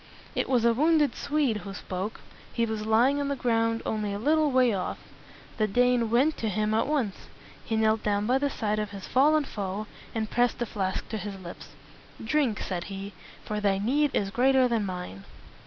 It was a wounded Swede who spoke. He was lying on the ground only a little way off. The Dane went to him at once. He knelt down by the side of his fallen foe, and pressed the flask to his lips. "Drink," said he, "for thy need is greater than mine."